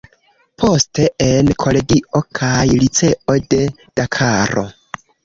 Poste en kolegio kaj liceo de Dakaro.